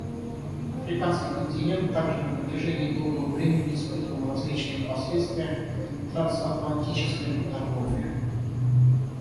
Африканский континент также на протяжении долгого времени испытывал различные последствия трансатлантической работорговли.